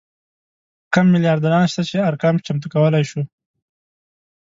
کم میلیاردران شته چې ارقام چمتو کولی شو.